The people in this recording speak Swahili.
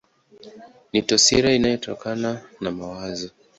Ni taswira inayotokana na mawazo.